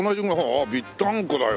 ああビッタンコだよ。